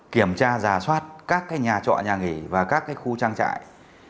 kiểm tra giả soát các nhà trọ nhà nghỉ và các khu trang trại